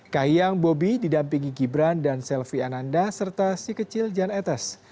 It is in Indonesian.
kahiyang bobi didampingi gibran dan selvi ananda serta si kecil jan etes